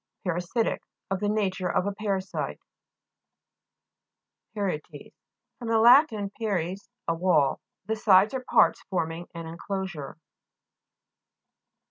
PARASI'TIC Of the nature of a para site. PARI'ETES fr. lat. paries, a wall. The sides or parts forming an en closure.